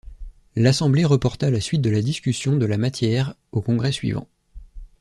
L'assemblée reporta la suite de la discussion de la matière au congrès suivant.